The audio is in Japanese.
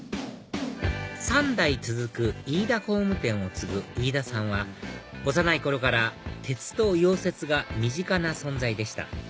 ３代続く飯田工務店を継ぐ飯田さんは幼い頃から鉄と溶接が身近な存在でした